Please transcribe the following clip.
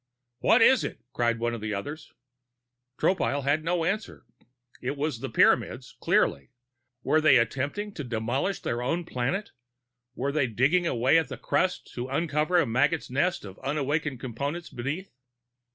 "What is it?" cried one of the others. Tropile had no answer. It was the Pyramids, clearly. Were they attempting to demolish their own planet? Were they digging away at the crust to uncover the maggot's nest of awakened Components beneath?